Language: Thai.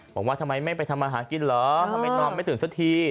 บอกว่าทำไมไม่ไปทำมาหากินเหรอทำไมนอนไม่ตื่นสักที